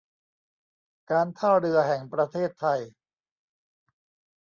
การท่าเรือแห่งประเทศไทย